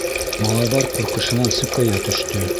Малайҙар ҡурҡышынан сүкәйә төштө.